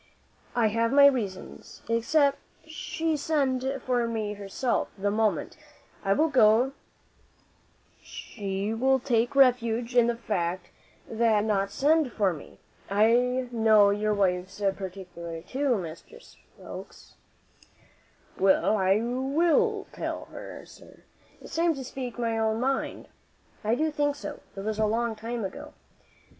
"I have my reasons. Except she send for me herself, the moment I go she will take refuge in the fact that she did not send for me. I know your wife's peculiarity too, Mr. Stokes." "Well, I will tell her, sir. It's time to speak my own mind." "I think so. It was time long ago.